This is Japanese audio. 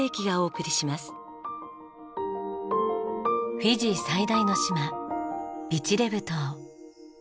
フィジー最大の島ビチレブ島。